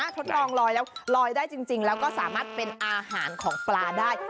ทดลองลอยแล้วลอยได้จริงแล้วก็สามารถเป็นอาหารของปลาได้